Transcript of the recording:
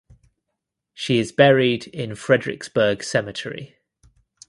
She is buried in Frederiksberg Cemetery.